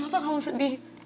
kenapa kamu sedih